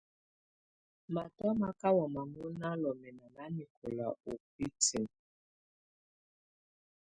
Matɔ̀á má kà wamɛ́à mɔ̀ná lɔmɛna nanɛkɔla ù bǝtinǝ́.